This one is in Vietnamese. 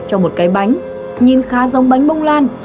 cho một cái bánh nhìn khá giống bánh bông lan